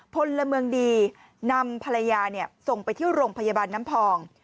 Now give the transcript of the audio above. พลเมืองดีนำภรรยาส่งไปที่โรงพยาบาลน้ำพอง